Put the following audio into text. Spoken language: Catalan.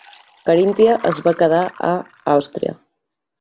Carinthia es va quedar a Àustria.